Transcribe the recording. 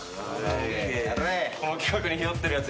この企画にひよってるやつ。